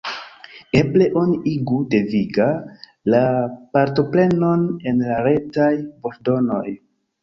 Eble oni igu deviga la partoprenon en la Retaj voĉdonoj.